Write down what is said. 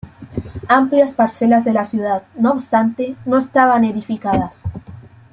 Amplias parcelas de la ciudad, no obstante, no estaban edificadas.